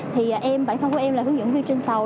thì em bản thân của em là hướng dẫn viên trên tàu